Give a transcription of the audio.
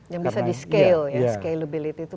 yang bisa di scale ya scalability itu